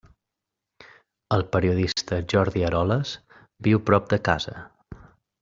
El periodista Jordi Eroles viu prop de casa.